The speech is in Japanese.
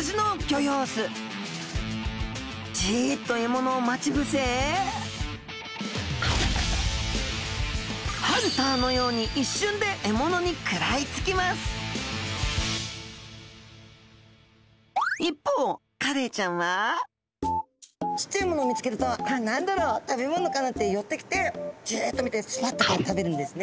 じっと獲物を待ち伏せハンターのように一瞬で獲物に食らいつきます一方カレイちゃんはちっちゃい獲物を見つけるとあっ何だろう食べ物かなって寄ってきてジッと見てズバッとこう食べるんですね。